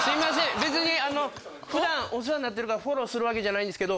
別にあの普段お世話になってるからフォローする訳じゃないんですけど。